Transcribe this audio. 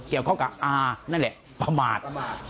เกี่ยวข้องกับอานั่นแหละประมาท